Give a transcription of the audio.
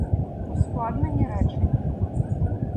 Ускладнені речення